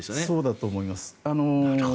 そうだと思います。